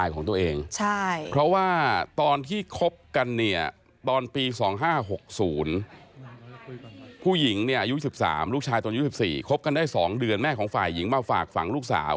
ครบกันได้๒เดือนแม่ของฝ่ายหญิงมาฝากฝั่งลูกสาว